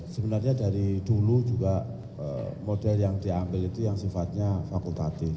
sebenarnya dari dulu juga model yang diambil itu yang sifatnya fakultatif